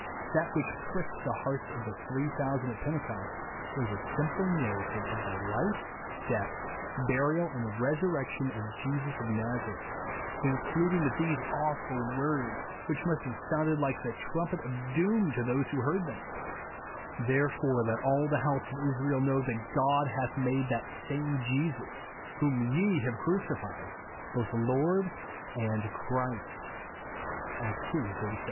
That which pricked the hearts of the three thousand at Pentecost was a simple nar rative of the life, death, burial, and resur rection of Jesus of Nazareth, concluding with these awful words, which must have sounded like the trumpet of doom to those who heard them, " Therefore let all the house of Israel know, that God hath made that same Jesus, whom ye have crucified, both Lord and Christ," (Acts ii. 36).